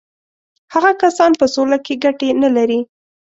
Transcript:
هغه کسان په سوله کې ګټې نه لري.